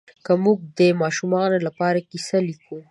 که موږ د ماشومانو لپاره کیسه لیکو